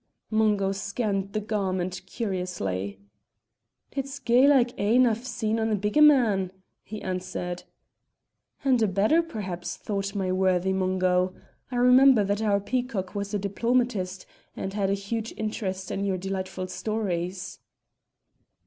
Mungo scanned the garment curiously. "It's gey like ane I've seen on a bigger man," he answered. "And a better, perhaps, thought my worthy Mungo. I remember me that our peacock was a diplomatist and had huge interest in your delightful stories."